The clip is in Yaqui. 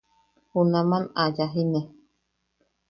Junaman ayajine.